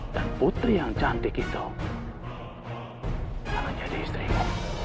dan putri yang cantik itu akan jadi istriku